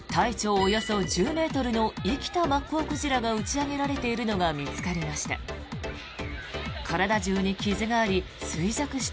およそ１０ｍの生きたマッコウクジラが打ち上げられているのが見つかりました。